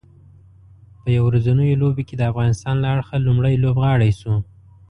په یو ورځنیو لوبو کې د افغانستان له اړخه لومړی لوبغاړی شو